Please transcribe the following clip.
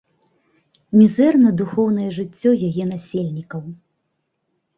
Мізэрна духоўнае жыццё яе насельнікаў.